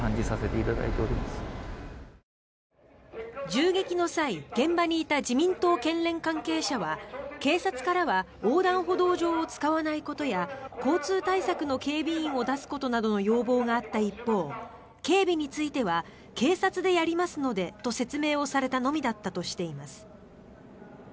銃撃の際、現場にいた自民党県連関係者は警察からは横断歩道上を使わないことや交通対策の警備員を出すことなどの要望があった一方警備については警察でやりますのでと説明をされたのみだったとしています。